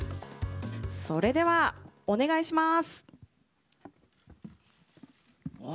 それでは、お願いします。